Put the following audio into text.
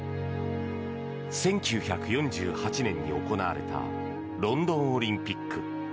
１９４８年に行われたロンドンオリンピック。